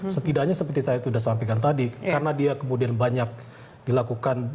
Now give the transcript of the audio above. setidaknya seperti tadi sudah sampaikan tadi karena dia kemudian banyak dilakukan